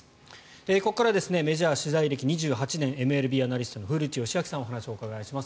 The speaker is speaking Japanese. ここからはメジャー取材歴２８年ＭＬＢアナリストの古内義明さんにお話を伺います。